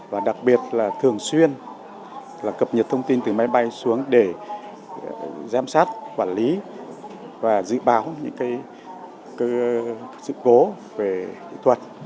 và đặc biệt là thường xuyên cập nhật thông tin từ máy bay xuống để giám sát quản lý và dự báo những sự cố về kỹ thuật